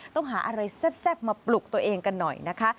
ต้องหาอะไรแซ่บมาปลุกตัวเองกันหน่อยนะคะ